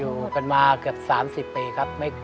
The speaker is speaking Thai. อยู่กันมาเกือบ๓๐ปีครับ